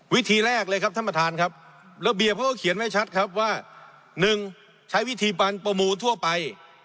วิธีแรกเลยครับท่านประธานครับระเบียบเขาก็เขียนไว้ชัดครับว่า๑ใช้วิธีปันประมูลทั่วไป